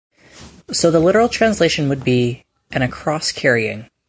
So the literal translation would be an "across-carrying".